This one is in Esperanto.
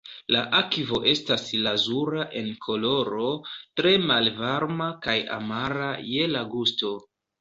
La akvo estas lazura en koloro, tre malvarma kaj amara je la gusto.